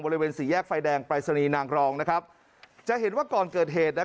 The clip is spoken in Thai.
บริเวณสี่แยกไฟแดงปรายศนีย์นางรองนะครับจะเห็นว่าก่อนเกิดเหตุ